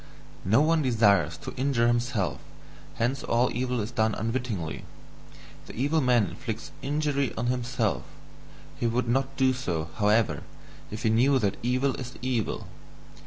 "No one desires to injure himself, hence all evil is done unwittingly. The evil man inflicts injury on himself; he would not do so, however, if he knew that evil is evil.